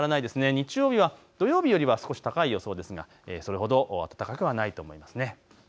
日曜日は土曜日よりは少し高い予想ですがそれほど暖かくはないと思いますね。